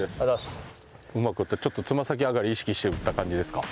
うまく打ってちょっとつま先上がり意識して打った感じですか？